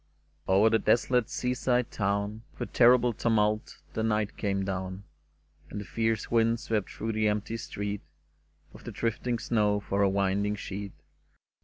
Over the desolate sea side town With a terrible tumult the night came down, And the fierce wind swept through the empty street, With the drifting snow for a winding sheet.